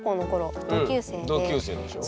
同級生でしょ？